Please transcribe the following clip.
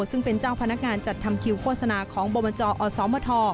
ซึ่งเป็นเจ้าพนักงานจัดทำคิวโฆษณาของบจอสมท